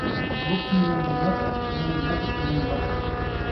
ہوچھی رن دی نتھ ، کݙان٘ہیں نک کݙان٘ہیں ہتھ